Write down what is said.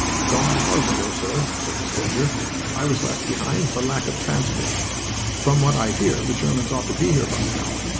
"Gone hours ago, sir," said the soldier. "I was left behind for lack of transport. From what I hear the Germans ought to be here by now.